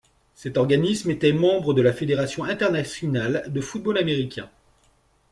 Cet organisme était membre de la Fédération internationale de football américain.